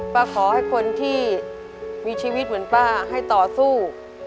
ขอให้คนที่มีชีวิตเหมือนป้าให้ต่อสู้